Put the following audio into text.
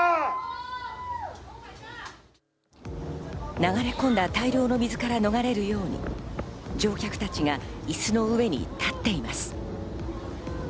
流れ込んだ大量の水から逃れるように乗客たちが椅子の上に立っています。